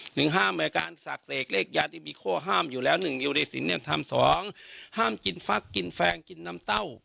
หนึ่งห้ามในการศักดิ์เสกเลขยาที่มีข้อห้ามอยู่แล้วหนึ่งอยู่ในสินเนี่ยทำสองห้ามกินฟักกินแฟงกินน้ำเต้า